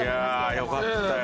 いやよかったよ